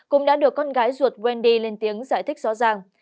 cũng đã được con gái ruột quendi lên tiếng giải thích rõ ràng